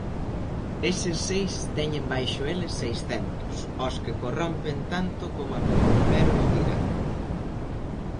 Eses seis teñen baixo eles seiscentos, ós que corrompen tanto coma corromperon o tirano.